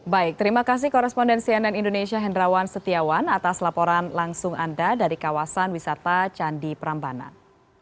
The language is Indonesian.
baik terima kasih korespondensi ann indonesia hendrawan setiawan atas laporan langsung anda dari kawasan wisata candi prambanan